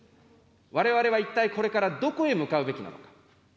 われわれは一体これから、どこへ向かうべきなのか。